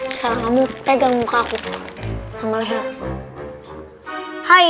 sekarang kamu pegang muka aku sama leher